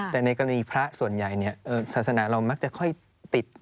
แต่ในกรณีพระส่วนใหญ่ศาสนาเรามักจะค่อยติด